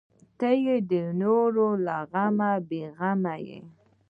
ته چې د نورو له غمه بې غمه یې.